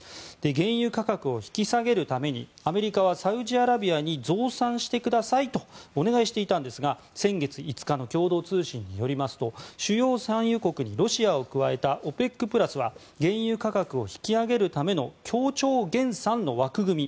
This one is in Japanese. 原油価格を引き下げるためにアメリカはサウジアラビアに増産してくださいとお願いしていたんですが先月５日の共同通信によりますと主要産油国にロシアを加えたＯＰＥＣプラスは原油価格を引き上げるための協調減産の枠組み